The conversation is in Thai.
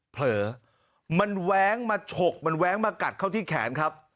เผลอมันแว้งมาฉกมันแว้งมากัดเข้าที่แขนครับ